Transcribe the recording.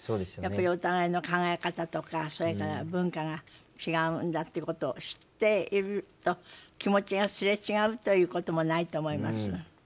やっぱりお互いの考え方とかそれから文化が違うんだっていうことを知っていると気持ちがすれ違うということもないと思います。